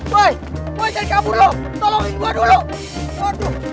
woi woi jangan kabur lu tolongin gua dulu